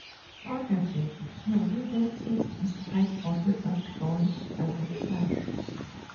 On the beach, Tony notices a strange bottle that rolls by itself.